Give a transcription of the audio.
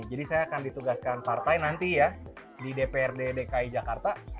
jadi saya akan ditugaskan partai nanti ya di dprd dki jakarta